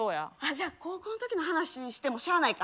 じゃあ高校ん時の話してもしゃあないか。